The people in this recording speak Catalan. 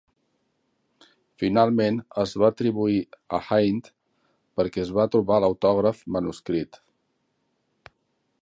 Finalment es va atribuir a Haydn perquè es va trobar l'autògraf manuscrit.